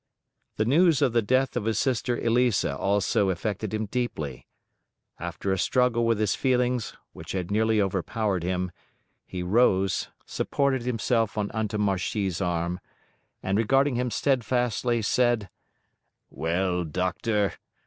The news of the death of his sister Elisa also affected him deeply. After a struggle with his feelings, which had nearly overpowered him, he rose, supported himself on Antommarchi's arm; and regarding him steadfastly, said, "Well, Doctor!